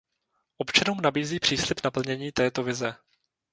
Občanům nabízí příslib naplnění této vize.